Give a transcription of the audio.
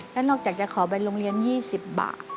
แล้วนอกจากจะขอไปโรงเรียน๒๐บาท